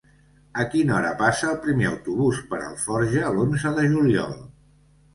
A quina hora passa el primer autobús per Alforja l'onze de juliol?